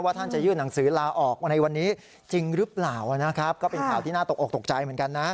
ท่านจะยื่นหนังสือลาออกในวันนี้จริงหรือเปล่านะครับก็เป็นข่าวที่น่าตกออกตกใจเหมือนกันนะ